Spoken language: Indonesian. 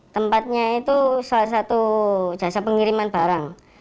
tempatnya itu salah satu jasa pengiriman barang